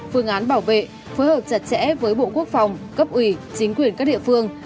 phương án bảo vệ phối hợp chặt chẽ với bộ quốc phòng cấp ủy chính quyền các địa phương